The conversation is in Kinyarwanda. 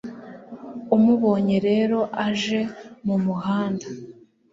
Amubonye rero aje mu muhanda